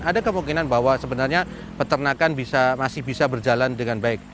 ada kemungkinan bahwa sebenarnya peternakan masih bisa berjalan dengan baik